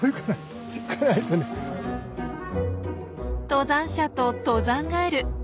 登山者と登山ガエル